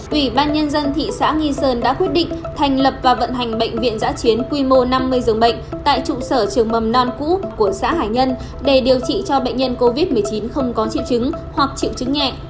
ủy ban nhân dân thị xã nghi sơn đã quyết định thành lập và vận hành bệnh viện giã chiến quy mô năm mươi giường bệnh tại trụ sở trường mầm non cũ của xã hải nhân để điều trị cho bệnh nhân covid một mươi chín không có triệu chứng hoặc triệu chứng nhẹ